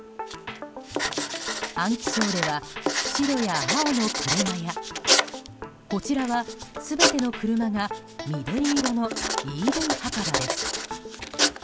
安徽省では白や青の車やこちらは、全ての車が緑色のＥＶ墓場です。